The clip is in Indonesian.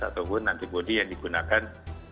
ataupun antibody yang digunakan